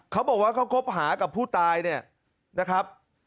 เขาบอกว่าเขาคบหากับผู้ตายเนี่ยนะครับ